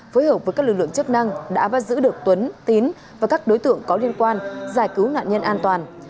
phối hợp với các lực lượng chức năng đã bắt giữ được tuấn tín và các đối tượng có liên quan giải cứu nạn nhân an toàn